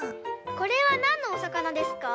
これはなんのおさかなですか？